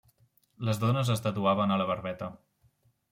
Les dones es tatuaven la barbeta.